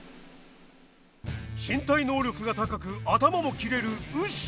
身体能力が高く頭も切れるウシ。